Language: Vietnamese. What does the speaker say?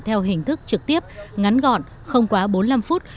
theo hình thức trực tiếp ngắn gọn không quá bốn mươi năm phút